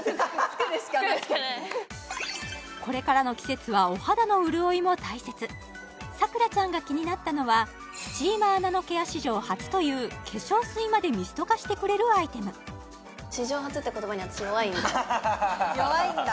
これからの季節はお肌の潤いも大切サクラちゃんが気になったのはスチーマーナノケア史上初という化粧水までミスト化してくれるアイテム弱いんだ